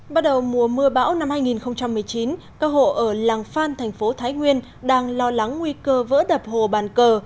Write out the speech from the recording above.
bắt đầu mùa mưa bão năm hai nghìn một mươi chín các hộ ở làng phan thành phố thái nguyên đang lo lắng nguy cơ vỡ đập hồ bàn cờ